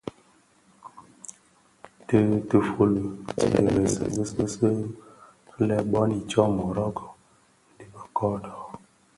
Tifufuli tye dheresi bisi lè bon i ntsōmōrōgō dhi be Kodo,